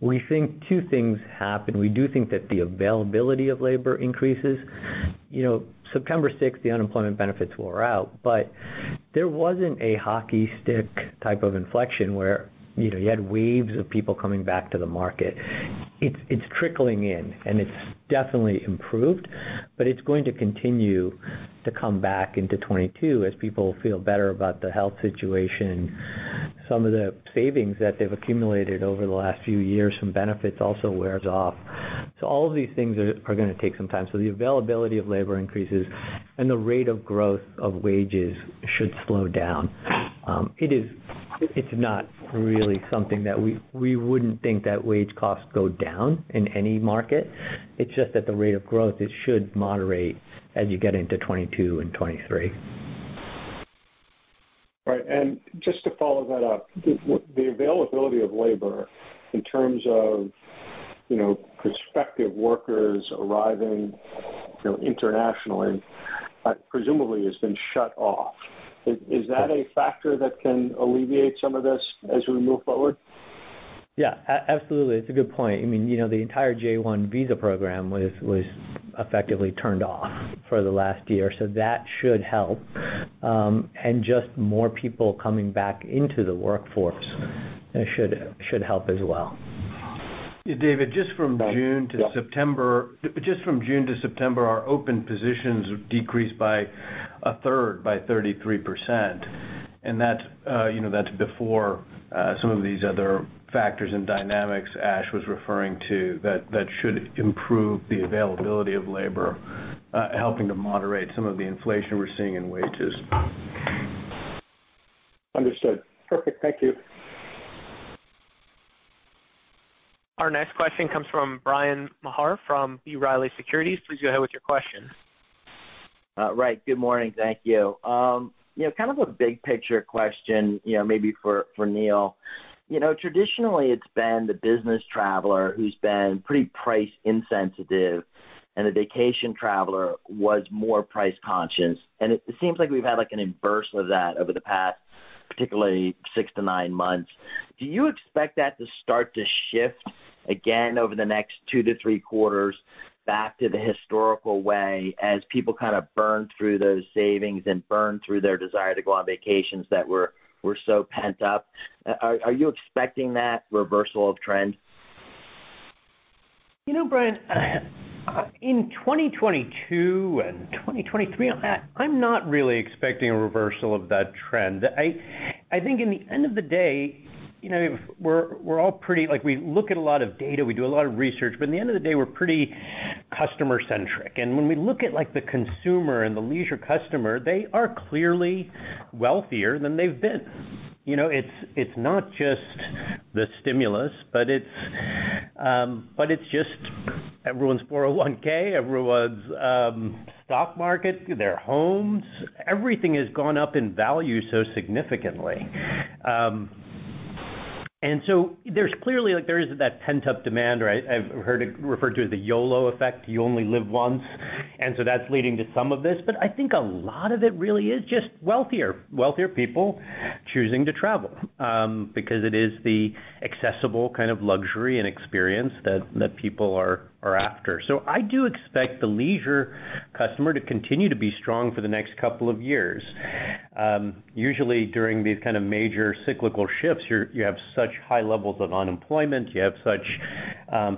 We think two things happen. We do think that the availability of labor increases. You know, September sixth, the unemployment benefits wore out, but there wasn't a hockey stick type of inflection where, you know, you had waves of people coming back to the market. It's trickling in, and it's definitely improved, but it's going to continue to come back into 2022 as people feel better about the health situation. Some of the savings that they've accumulated over the last few years from benefits also wears off. All of these things are gonna take some time. The availability of labor increases, and the rate of growth of wages should slow down. It's not really something that we wouldn't think that wage costs go down in any market. It's just that the rate of growth should moderate as you get into 2022 and 2023. Right. Just to follow that up, the availability of labor in terms of, you know, prospective workers arriving, you know, internationally, presumably has been shut off. Is that a factor that can alleviate some of this as we move forward? Yeah. Absolutely. It's a good point. I mean, you know, the entire J-1 visa program was effectively turned off for the last year, so that should help. Just more people coming back into the workforce should help as well. Yeah, David, just from June to September, our open positions decreased by a third, by 33%. That's, you know, before some of these other factors and dynamics Ash was referring to that should improve the availability of labor, helping to moderate some of the inflation we're seeing in wages. Understood. Perfect. Thank you. Our next question comes from Bryan Maher from B. Riley Securities. Please go ahead with your question. Right. Good morning. Thank you. You know, kind of a big picture question, you know, maybe for Neil. You know, traditionally, it's been the business traveler who's been pretty price insensitive, and the vacation traveler was more price conscious. It seems like we've had, like, an inverse of that over the past, particularly six to nine months. Do you expect that to start to shift again over the next two to three quarters back to the historical way as people kind of burn through those savings and burn through their desire to go on vacations that were so pent up? Are you expecting that reversal of trend? You know, Bryan, in 2022 and 2023, I'm not really expecting a reversal of that trend. I think at the end of the day, you know, we're all pretty, like, we look at a lot of data, we do a lot of research, but at the end of the day, we're pretty customer centric. When we look at, like, the consumer and the leisure customer, they are clearly wealthier than they've been. You know, it's not just the stimulus, but it's just everyone's 401k, everyone's stock market, their homes. Everything has gone up in value so significantly. There's clearly, like, there is that pent-up demand, or I've heard it referred to as the YOLO effect, you only live once. That's leading to some of this. I think a lot of it really is just wealthier people choosing to travel, because it is the accessible kind of luxury and experience that people are after. I do expect the leisure customer to continue to be strong for the next couple of years. Usually during these kind of major cyclical shifts, you have such high levels of unemployment, you have such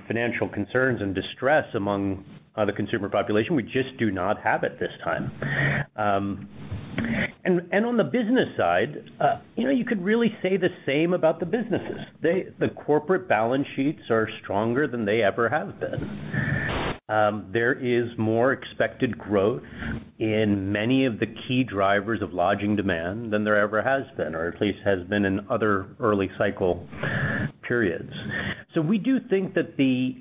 financial concerns and distress among the consumer population. We just do not have it this time. On the business side, you know, you could really say the same about the businesses. The corporate balance sheets are stronger than they ever have been. There is more expected growth in many of the key drivers of lodging demand than there ever has been, or at least has been in other early cycle periods. We do think that the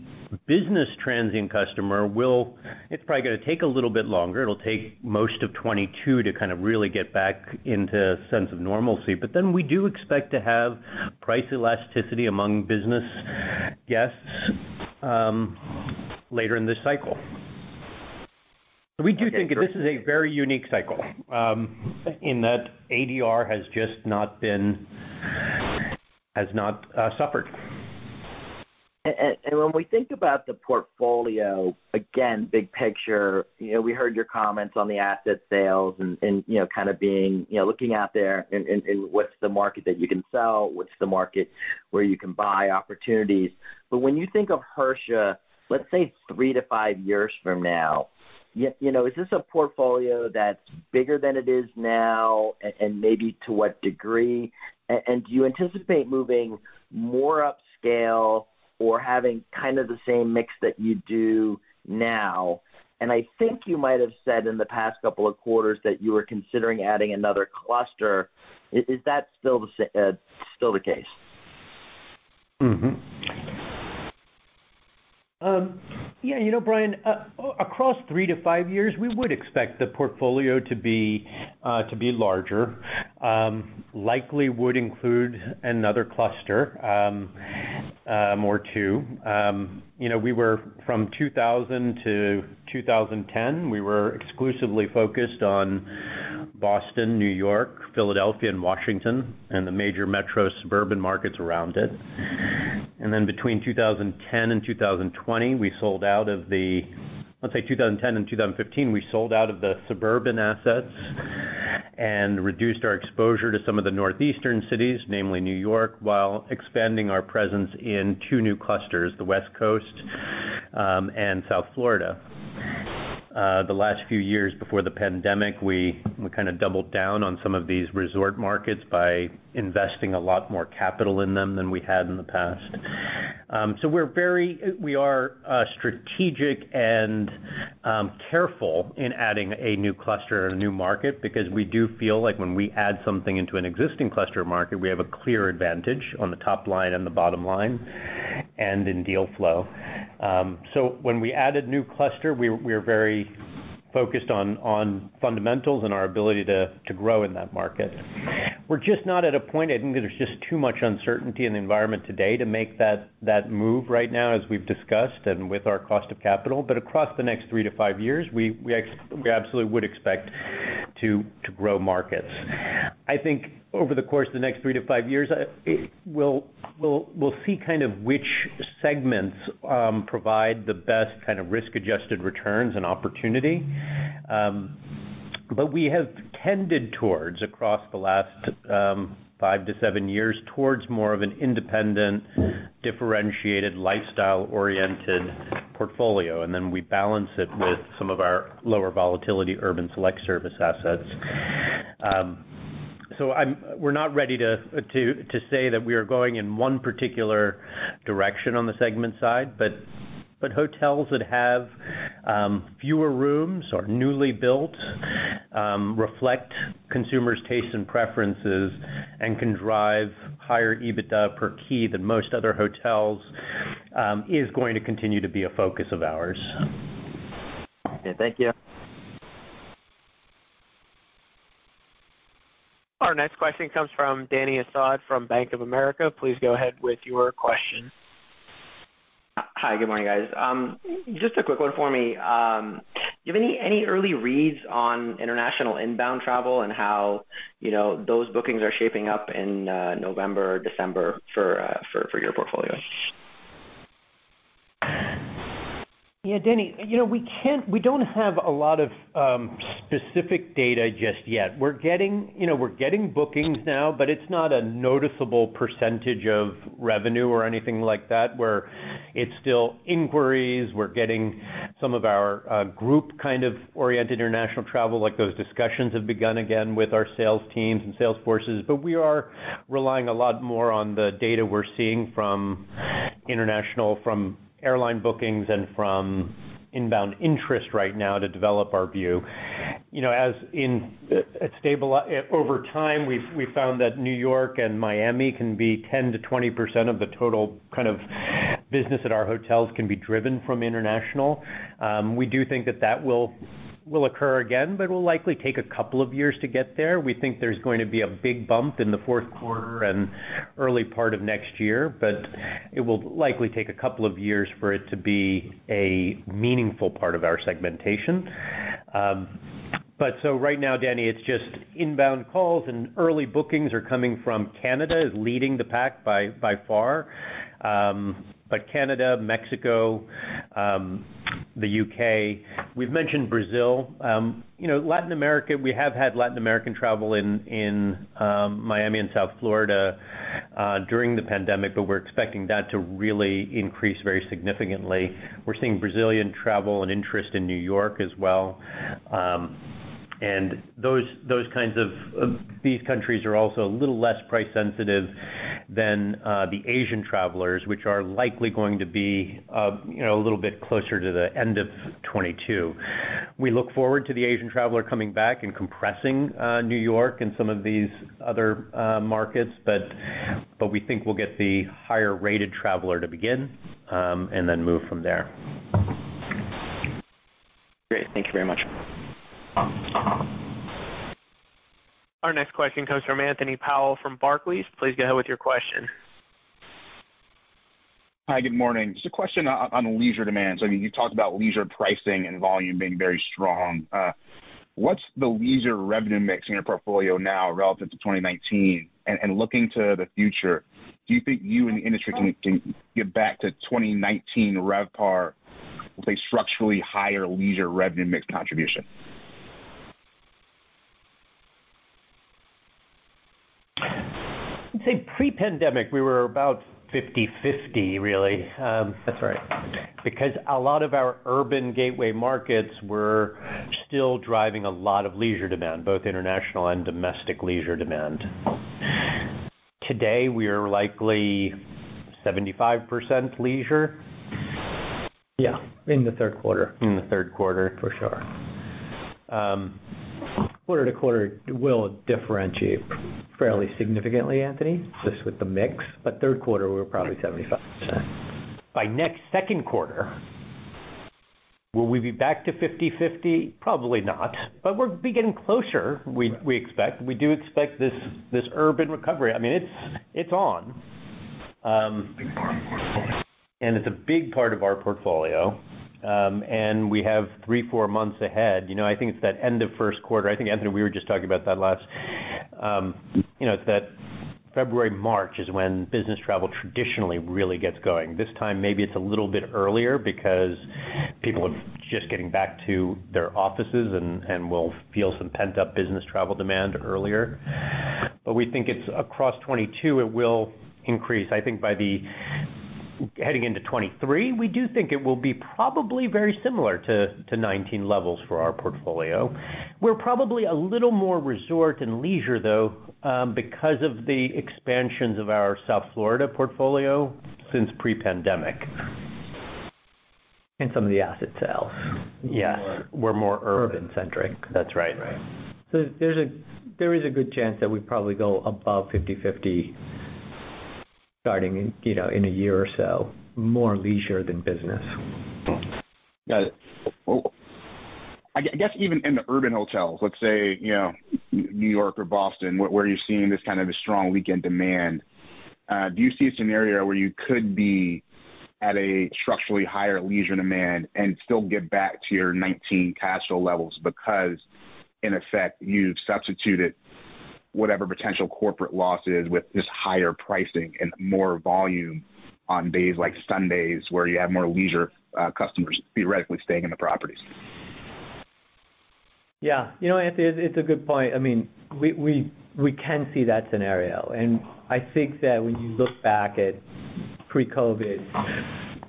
business transient customer will. It's probably gonna take a little bit longer. It'll take most of 2022 to kind of really get back into a sense of normalcy. We do expect to have price elasticity among business guests later in this cycle. We do think that this is a very unique cycle, in that ADR has not suffered. When we think about the portfolio, again, big picture, you know, we heard your comments on the asset sales and, you know, kind of being, you know, looking out there and what's the market that you can sell, what's the market where you can buy opportunities. But when you think of Hersha, let's say 3-5 years from now, you know, is this a portfolio that's bigger than it is now and maybe to what degree? Do you anticipate moving more upscale or having kind of the same mix that you do now? I think you might have said in the past couple of quarters that you were considering adding another cluster. Is that still the case? Yeah, you know, Brian, across 3-5 years, we would expect the portfolio to be larger. Likely would include another cluster or two. You know, from 2000-2010, we were exclusively focused on Boston, New York, Philadelphia and Washington, and the major metro suburban markets around it. Between 2010 and 2020, we sold out of the suburban assets. Let's say 2010-2015, we sold out of the suburban assets and reduced our exposure to some of the northeastern cities, namely New York, while expanding our presence in two new clusters: the West Coast and South Florida. The last few years before the pandemic, we kinda doubled down on some of these resort markets by investing a lot more capital in them than we had in the past. We are strategic and careful in adding a new cluster or a new market because we do feel like when we add something into an existing cluster market, we have a clear advantage on the top line and the bottom line and in deal flow. When we added new cluster, we're very focused on fundamentals and our ability to grow in that market. We're just not at a point. I think there's just too much uncertainty in the environment today to make that move right now as we've discussed and with our cost of capital. Across the next three to five years, we absolutely would expect to grow markets. I think over the course of the next three to five years, we'll see kind of which segments provide the best kind of risk-adjusted returns and opportunity. We have tended towards, across the last five to seven years, towards more of an independent, differentiated, lifestyle-oriented portfolio, and then we balance it with some of our lower volatility urban select service assets. We're not ready to say that we are going in one particular direction on the segment side, but hotels that have fewer rooms or newly built reflect consumers' tastes and preferences and can drive higher EBITDA per key than most other hotels is going to continue to be a focus of ours. Okay. Thank you. Our next question comes from Dany Asad from Bank of America. Please go ahead with your question. Hi. Good morning, guys. Just a quick one for me. Do you have any early reads on international inbound travel and how, you know, those bookings are shaping up in November, December for your portfolio? Yeah, Danny, you know, we can't. We don't have a lot of specific data just yet. We're getting, you know, we're getting bookings now, but it's not a noticeable percentage of revenue or anything like that where it's still inquiries. We're getting some of our group kind of oriented international travel, like those discussions have begun again with our sales teams and sales forces. But we are relying a lot more on the data we're seeing from international, from airline bookings and from inbound interest right now to develop our view. You know, as in, it's stable. Over time, we've found that New York and Miami can be 10%-20% of the total kind of business at our hotels can be driven from international. We do think that will occur again, but it will likely take a couple of years to get there. We think there's going to be a big bump in Q4 and early part of next year, but it will likely take a couple of years for it to be a meaningful part of our segmentation. Right now, Dany, it's just inbound calls and early bookings are coming from. Canada is leading the pack by far. Canada, Mexico, The U.K. We've mentioned Brazil. You know, Latin America, we have had Latin American travel in Miami and South Florida during the pandemic, but we're expecting that to really increase very significantly. We're seeing Brazilian travel and interest in New York as well. Those kinds of these countries are also a little less price-sensitive than the Asian travelers, which are likely going to be you know, a little bit closer to the end of 2022. We look forward to the Asian traveler coming back and compressing New York and some of these other markets, but we think we'll get the higher-rated traveler to begin and then move from there. Great. Thank you very much. Our next question comes from Anthony Powell from Barclays. Please go ahead with your question. Hi, good morning. Just a question on leisure demand. So you talked about leisure pricing and volume being very strong. What's the leisure revenue mix in your portfolio now relative to 2019? And looking to the future, do you think you and the industry can get back to 2019 RevPAR with a structurally higher leisure revenue mix contribution? I'd say pre-pandemic, we were about 50/50, really. That's right. Because a lot of our urban gateway markets were still driving a lot of leisure demand, both international and domestic leisure demand. Today, we are likely 75% leisure. Yeah, in the third quarter. For sure. Quarter to quarter will differentiate fairly significantly, Anthony, just with the mix. But Q3, we're probably 75%. By next second quarter, will we be back to 50/50? Probably not. But we'll be getting closer, we expect. We do expect this urban recovery. I mean, it's on. And it's a big part of our portfolio. And we have 3, 4 months ahead. You know, I think it's that end of Q1. I think, Anthony, we were just talking about that. You know, it's that February, March is when business travel traditionally really gets going. This time, maybe it's a little bit earlier because people are just getting back to their offices and we'll feel some pent-up business travel demand earlier. We think it's across 2022, it will increase. I think heading into 2023, we do think it will be probably very similar to 2019 levels for our portfolio. We're probably a little more resort and leisure, though, because of the expansions of our South Florida portfolio since pre-pandemic. Some of the asset sales. Yes. We're more urban-centric. That's right. There is a good chance that we probably go above 50/50 starting in, you know, in a year or so, more leisure than business. Got it. Well, I guess even in the urban hotels, let's say, you know, New York or Boston, where you're seeing this kind of a strong weekend demand, do you see a scenario where you could be at a structurally higher leisure demand and still get back to your 2019 casual levels because, in effect, you've substituted whatever potential corporate losses with this higher pricing and more volume on days like Sundays where you have more leisure customers theoretically staying in the properties? Yeah. You know, Anthony, it's a good point. I mean, we can see that scenario. I think that when you look back at pre-COVID,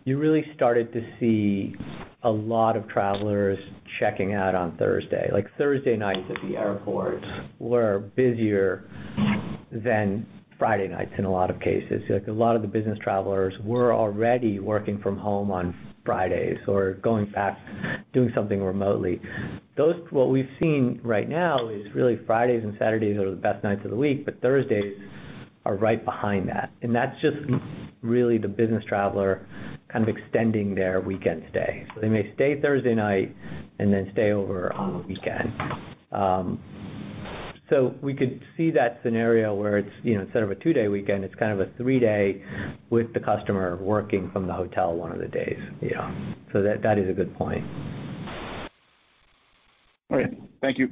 you really started to see a lot of travelers checking out on Thursday. Like, Thursday nights at the airport were busier than Friday nights in a lot of cases. Like, a lot of the business travelers were already working from home on Fridays or going back doing something remotely. What we've seen right now is really Fridays and Saturdays are the best nights of the week, but Thursdays are right behind that. That's just really the business traveler kind of extending their weekend stay. They may stay Thursday night and then stay over on the weekend. We could see that scenario where it's, you know, instead of a two-day weekend, it's kind of a three-day with the customer working from the hotel one of the days. Yeah. That is a good point. All right. Thank you.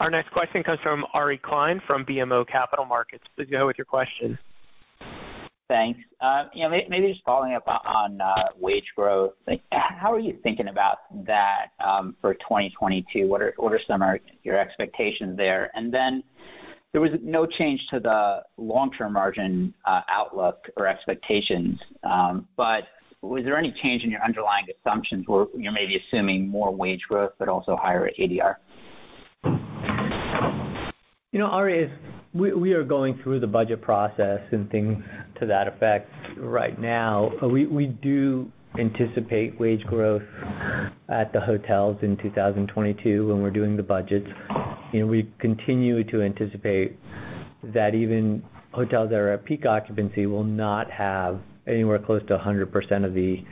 Our next question comes from Ari Klein from BMO Capital Markets. Please go with your question. Thanks. You know, maybe just following up on wage growth. Like, how are you thinking about that for 2022? What are some of your expectations there? Then there was no change to the long-term margin outlook or expectations, but was there any change in your underlying assumptions where you're maybe assuming more wage growth but also higher ADR? You know, Ari, we are going through the budget process and things to that effect right now. We do anticipate wage growth at the hotels in 2022 when we're doing the budgets. You know, we continue to anticipate that even hotels that are at peak occupancy will not have anywhere close to 100% of the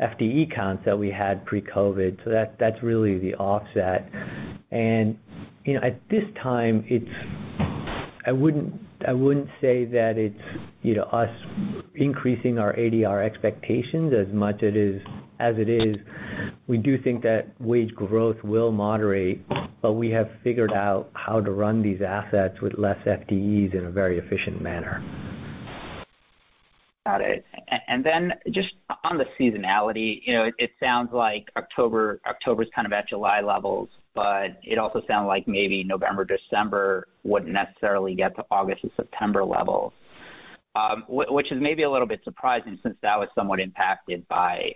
FTE counts that we had pre-COVID. That's really the offset. You know, at this time, it's. I wouldn't say that it's, you know, us increasing our ADR expectations as much as it is. We do think that wage growth will moderate, but we have figured out how to run these assets with less FTEs in a very efficient manner. Got it. Then just on the seasonality, you know, it sounds like October's kind of at July levels, but it also sounded like maybe November, December wouldn't necessarily get to August and September levels. Which is maybe a little bit surprising since that was somewhat impacted by,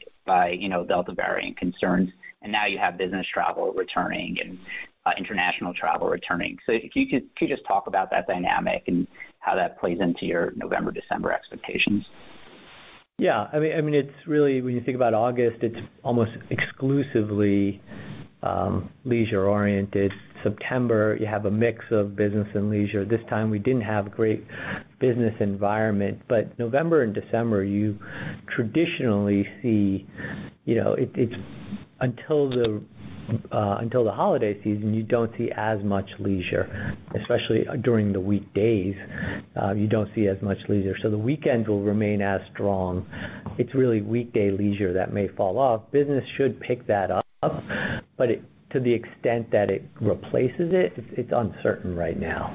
you know, Delta variant concerns. Now you have business travel returning and international travel returning. Can you just talk about that dynamic and how that plays into your November, December expectations? Yeah. I mean, it's really when you think about August, it's almost exclusively leisure-oriented. September, you have a mix of business and leisure. This time we didn't have great business environment. November and December, you traditionally see, you know, it's until the holiday season, you don't see as much leisure. Especially during the weekdays, you don't see as much leisure. The weekend will remain as strong. It's really weekday leisure that may fall off. Business should pick that up, but to the extent that it replaces it's uncertain right now.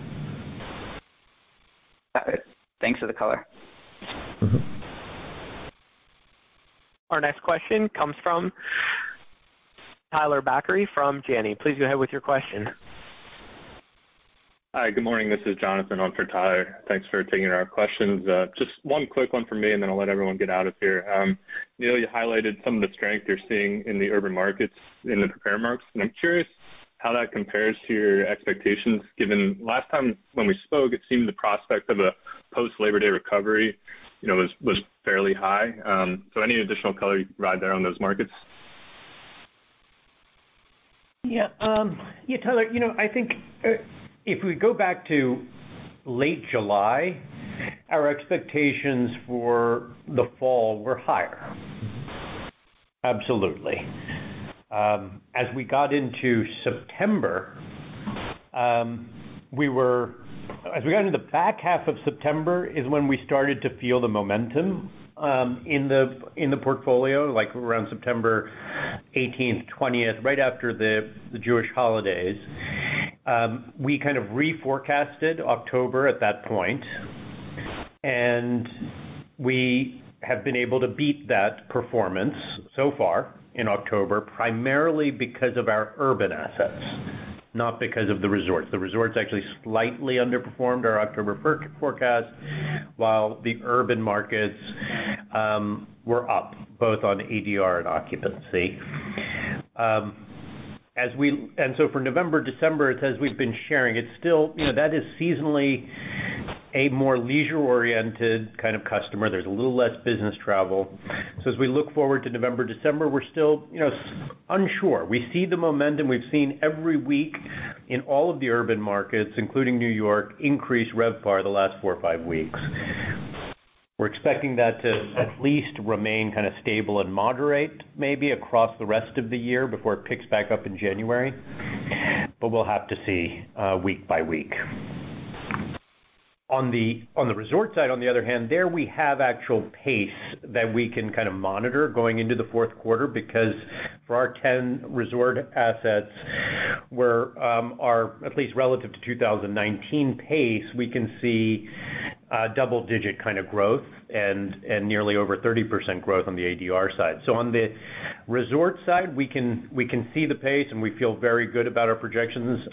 Got it. Thanks for the color. Mm-hmm. Our next question comes from Tyler Batory from Janney. Please go ahead with your question. Hi, good morning. This is Jonathan on for Tyler. Thanks for taking our questions. Just one quick one from me, and then I'll let everyone get out of here. Neil, you highlighted some of the strength you're seeing in the urban markets in the prepared remarks, and I'm curious how that compares to your expectations, given last time when we spoke, it seemed the prospect of a post Labor Day recovery, you know, was fairly high. So any additional color you can provide there on those markets? Yeah. Yeah, Tyler, you know, I think if we go back to late July, our expectations for the fall were higher. Absolutely. As we got into September, as we got into the back half of September is when we started to feel the momentum in the portfolio, like around September eighteenth, twentieth, right after the Jewish holidays. We kind of re-forecasted October at that point, and we have been able to beat that performance so far in October, primarily because of our urban assets, not because of the resorts. The resorts actually slightly underperformed our October forecast, while the urban markets were up both on ADR and occupancy. For November, December, it's as we've been sharing, it's still, you know, that is seasonally a more leisure-oriented kind of customer. There's a little less business travel. As we look forward to November, December, we're still, you know, unsure. We see the momentum we've seen every week in all of the urban markets, including New York, increase RevPAR the last 4 or 5 weeks. We're expecting that to at least remain kind of stable and moderate maybe across the rest of the year before it picks back up in January, but we'll have to see week by week. On the resort side, on the other hand, there we have actual pace that we can kind of monitor going into Q4 because for our 10 resort assets, we're at least relative to 2019 pace, we can see double-digit kind of growth and nearly over 30% growth on the ADR side. On the resort side, we can see the pace, and we feel very good about our projections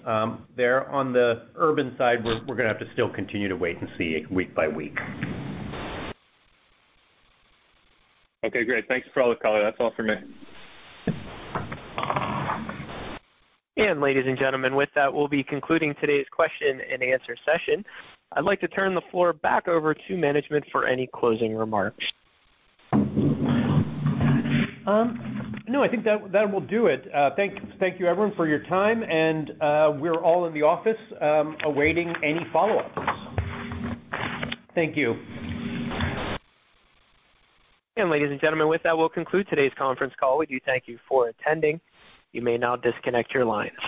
there. On the urban side, we're gonna have to still continue to wait and see week by week. Okay, great. Thanks for all the color. That's all for me. Ladies and gentlemen, with that, we'll be concluding today's question-and-answer session. I'd like to turn the floor back over to management for any closing remarks. No, I think that will do it. Thank you everyone for your time, and we're all in the office, awaiting any follow-ups. Thank you. Ladies and gentlemen, with that, we'll conclude today's conference call. We do thank you for attending. You may now disconnect your lines.